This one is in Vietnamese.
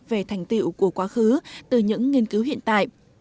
về thành tiệu của quá khứ từ những nghiên cứu hiện tại